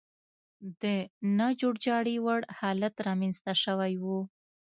د نه جوړجاړي وړ حالت رامنځته شوی و.